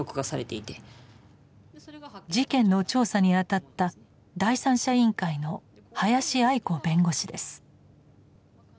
事件の調査にあたった第三者委員会の林亜衣子弁護士です。